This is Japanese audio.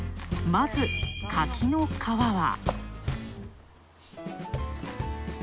まず柿の皮は。